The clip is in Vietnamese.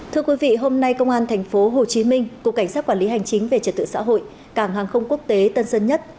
thưa quý vị hôm nay công an tp hcm cục cảnh sát quản lý hành chính về trật tự xã hội cảng hàng không quốc tế tân sơn nhất